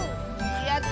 やった！